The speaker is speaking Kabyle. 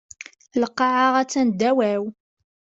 Lqaɛa attan ddaw-aw.